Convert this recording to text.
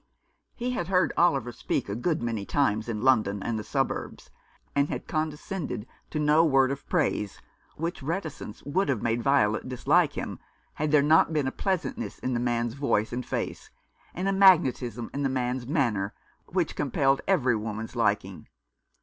He had heard Oliver speak a good many times in London and the suburbs, and had condescended to no word of praise, which reticence would have made Violet dislike him had there not been a pleasantness in the man's voice and face, and a magnetism in the man's manner which compelled 222 The American Remembers. every woman's liking.